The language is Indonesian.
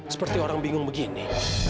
seperti orang bingung begini